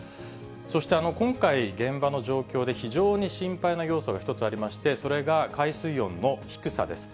そして今回、現場の状況で非常に心配な要素が一つありまして、それが海水温の低さです。